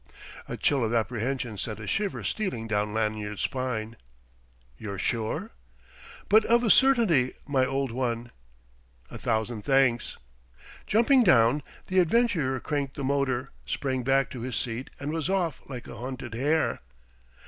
A chill of apprehension sent a shiver stealing down Lanyard's spine. "You're sure?" "But of a certainty, my old one!" "A thousand thanks!" Jumping down, the adventurer cranked the motor, sprang back to his seat, and was off like a hunted hare....